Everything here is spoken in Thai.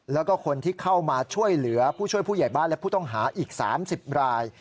แล้วก็คนที่เข้ามาช่วยเหลือผู้ช่วยผู้ใหญ่บ้านและผู้ต้องหาอีก๓๐ราย